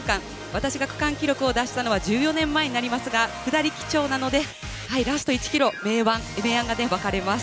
私が区間記録を出したのは１４年前になりますが下り基調なのでラスト１ｋｍ明暗が分かれます。